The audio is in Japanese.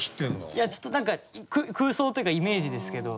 いやちょっと何か空想というかイメージですけど。